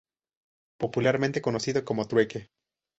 Popularmente conocido como "trueque".